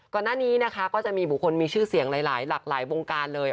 ก่อนหน้านี้นะคะก็จะมีบุคคลมีชื่อเสียงหลายหลากหลายวงการเลย